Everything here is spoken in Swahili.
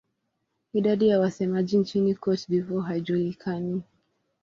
Idadi ya wasemaji nchini Cote d'Ivoire haijulikani.